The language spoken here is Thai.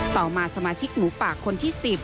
ต่อมาสมาชิกหมูปากคนที่๑๐